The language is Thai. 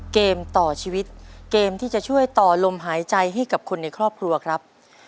เกมต่อชีวิตเกมที่จะช่วยต่อลมหายใจให้กับคนในครอบครัวครับ